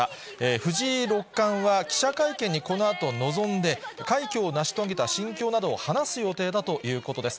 藤井六冠は記者会見にこのあと臨んで、快挙を成し遂げた心境などを話す予定だということです。